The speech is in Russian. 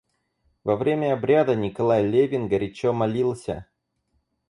Во время обряда Николай Левин горячо молился.